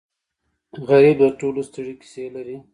غریب د ټولو ستړې کیسې لري